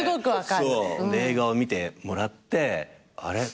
映画を見てもらってあれ？